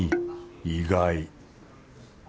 意外。